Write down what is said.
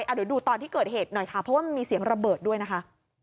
เดี๋ยวดูตอนที่เกิดเหตุหน่อยค่ะเพราะว่ามันมีเสียงระเบิดด้วยนะคะ